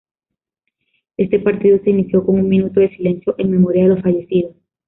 Este partido se inició con un minuto de silencio en memoria de los fallecidos.